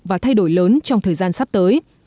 và thay đổi lớn trong thời gian sắp tới